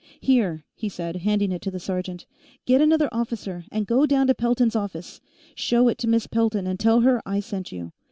"Here," he said, handing it to the sergeant. "Get another officer, and go down to Pelton's office. Show it to Miss Pelton, and tell her I sent you.